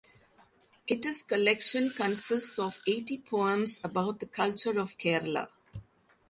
It is collection consists of eighty poems about the culture of Kerala.